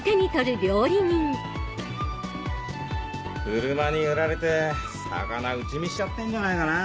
車に揺られて魚打ち身しちゃってんじゃないかなぁ。